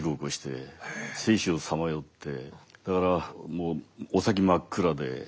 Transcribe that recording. だからもうお先真っ暗で。